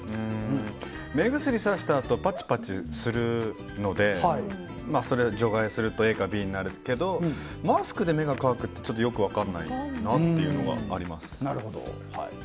目薬さしたあとパチパチするのでそれを除外するとＡかＢになるけどマスクで目が乾くってよく分からないなというのが。